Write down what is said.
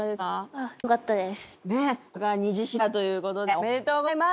ありがとうございます。